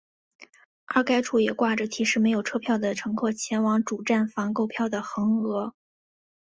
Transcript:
而该处也挂上提示没有车票的乘客前往主站房购票的横额。